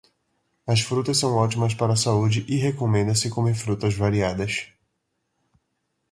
As frutas são ótimas para a saúde e recomenda-se comer frutas variadas.